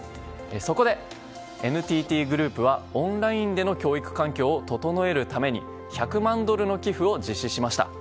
そこで、ＮＴＴグループはオンラインでの教育環境を整えるために、１００万ドルの寄付を実施しました。